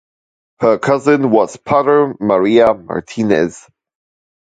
Her cousin was potter Maria Martinez.